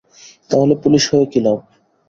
তাহলে পুলিশ হয়ে কি লাভ?